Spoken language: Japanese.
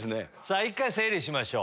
１回整理しましょう。